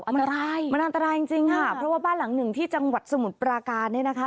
อันตรายมันอันตรายจริงจริงค่ะเพราะว่าบ้านหลังหนึ่งที่จังหวัดสมุทรปราการเนี่ยนะคะ